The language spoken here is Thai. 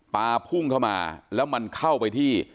พุ่งเข้ามาแล้วมันเข้าไปที่